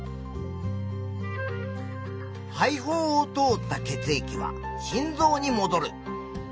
肺胞を通った血液は心臓にもどる。